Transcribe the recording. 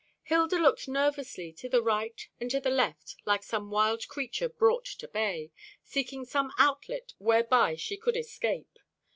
Hilda looked nervously to the right and to the left, like some wild creature brought to bay, seeking some outlet whereby she could escape.